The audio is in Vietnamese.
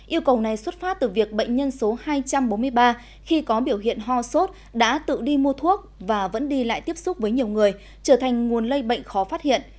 yêu cầu này xuất phát từ việc bệnh nhân số hai trăm bốn mươi ba khi có biểu hiện ho sốt đã tự đi mua thuốc và vẫn đi lại tiếp xúc với nhiều người trở thành nguồn lây bệnh khó phát hiện